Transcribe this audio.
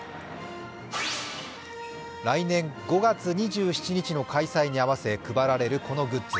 来年５月２７日の開催に合わせ配られるこのグッズ。